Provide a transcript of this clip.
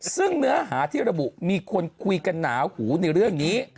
ซึ่งเนื้อหาที่ระบุมีคนคุยกันหนาหูในเรื่องนี้